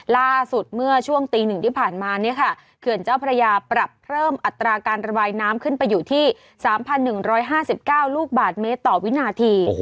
ล่าสุดเมื่อช่วงตี๑ที่ผ่านมาเขื่อนเจ้าพระยาปรับเพิ่มอัตราการระบายน้ำขึ้นไปอยู่ที่๓๑๕๙ลูกบาทเมตรต่อวินาที